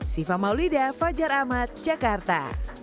siva maulida fajar ahmad jakarta